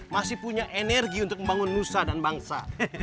masih punya energi untuk membangun nusa dan bangsa